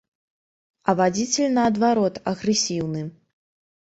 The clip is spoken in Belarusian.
А вадзіцель наадварот агрэсіўны.